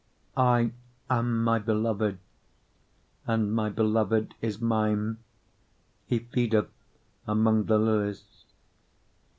6:3 I am my beloved's, and my beloved is mine: he feedeth among the lilies.